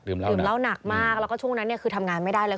ดื่มเหล้าหนักมากแล้วก็ช่วงนั้นเนี่ยคือทำงานไม่ได้เลย